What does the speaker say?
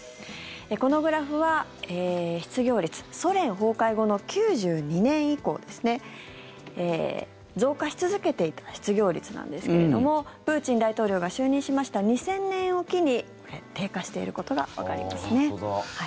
このグラフは、失業率ソ連崩壊後の９２年以降増加し続けていた失業率なんですけれどもプーチン大統領が就任しました２０００年を機に低下していることがわかりますね。